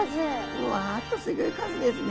うわっとすギョい数ですね。